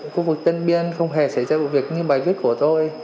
khu vực tân biên không hề xảy ra vụ việc như bài viết của tôi